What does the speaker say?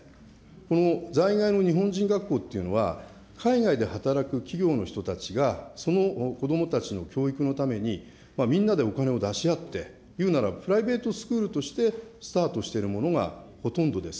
この在外の日本人学校っていうのは、海外で働く企業の人たちが、その子どもたちの教育のために、みんなでお金を出し合って、いうならプライベートスクールとしてスタートしているものがほとんどです。